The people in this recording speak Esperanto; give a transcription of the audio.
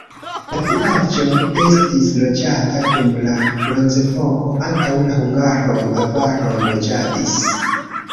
La vilaĝo estis loĝata dum la bronzepoko, antaŭ la hungaroj avaroj loĝadis.